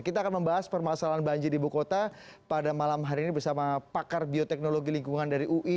kita akan membahas permasalahan banjir di ibu kota pada malam hari ini bersama pakar bioteknologi lingkungan dari ui